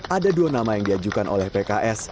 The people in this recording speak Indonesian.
ada dua nama yang diajukan oleh pks